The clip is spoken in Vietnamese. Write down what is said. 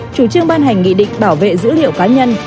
chủ trương ban hành nghị định bảo vệ dữ liệu cá nhân